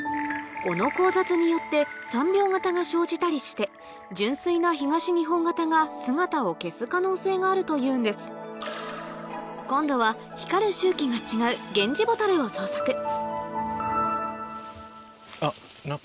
この交雑によって３秒型が生じたりして純粋な東日本型が姿を消す可能性があるというんです今度は光る周期が違う法師人さんが追います？